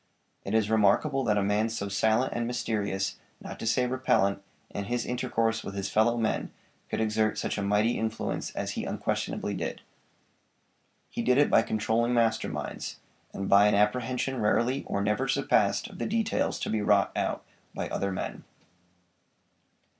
It is remarkable that a man so silent and mysterious, not to say repellent, in his intercourse with his fellow men could exert such a mighty influence as he unquestionably did. He did it by controlling master minds, and by an apprehension rarely or never surpassed of the details to be wrought out by other men.